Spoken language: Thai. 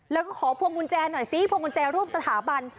แล้วก็ขอพวงกุญแจหน่อยซิพวงกุญแจรูปสถาบัน